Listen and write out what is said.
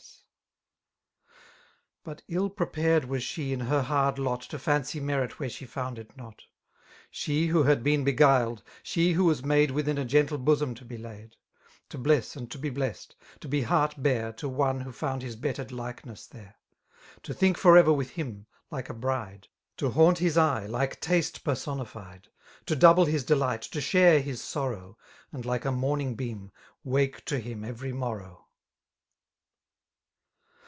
5S But ill prepared was 8he> in her hard lot. To fancy merit where she found it not^— She, who had been beguiled^— she^ who was made Within a gentle bosom to be laid^ — To bless and to be blessed,— 'to be heart bare To one who found his bettered l&eness there,' * To think for ever with him, like a bride,*^ To haunt his eye> like taste personified,—* To double his delight^ to share his sonow> And like a morning beam^ wake to him erery morrow.